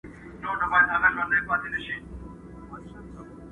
په شب پرستو بد لګېږم ځکه،